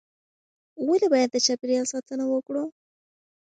ولې باید د چاپیریال ساتنه وکړو؟